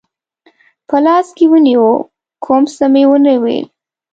په لاس کې ونیو، کوم څه مې و نه ویل.